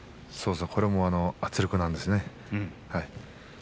これも圧力なんですね。